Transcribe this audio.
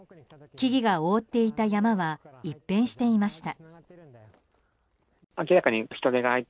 木々が覆っていた山は一変していました。